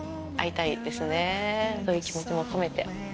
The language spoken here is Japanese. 会いたいですねそういう気持ちも込めて。